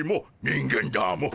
人間だモ。